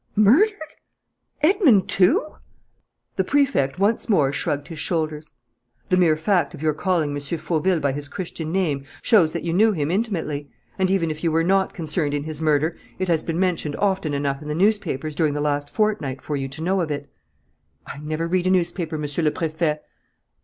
Murdered? Edmond, too?" The Prefect once more shrugged his shoulders. "The mere fact of your calling M. Fauville by his Christian name shows that you knew him intimately. And, even if you were not concerned in his murder, it has been mentioned often enough in the newspapers during the last fortnight for you to know of it." "I never read a newspaper, Monsieur le Préfet."